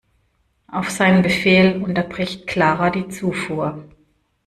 Auf seinen Befehl unterbricht Clara die Zufuhr.